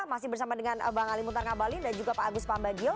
masih bersama dengan bang ali muntar ngabalin dan juga pak agus pambagio